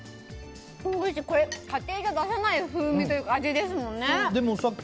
家庭では出せない風味というか味ですもんね。